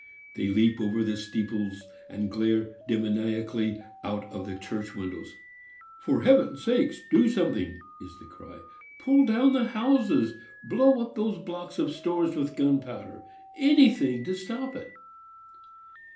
They leap over the steeples, and glare demoniacally out of the church windows. "For Heaven's sake, DO SOMETHING!" is the cry. "Pull down the houses! Blow up those blocks of stores with gunpowder! Anything to stop it."